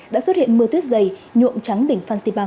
đã xuất hiện mưa tuyết dày nhuộm trắng đỉnh phan xipa